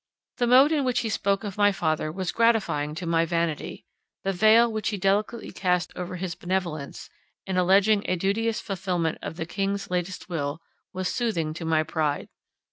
The mode in which he spoke of my father was gratifying to my vanity; the veil which he delicately cast over his benevolence, in alledging a duteous fulfilment of the king's latest will, was soothing to my pride.